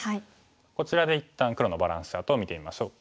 こちらで一旦黒のバランスチャートを見てみましょう。